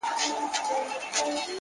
وخت د زحمت ارزښت څرګندوي،